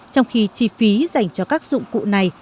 trong khi chi phí dành cho các dụng cụ này